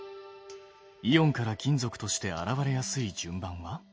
イオンから金属として現れやすい順番は？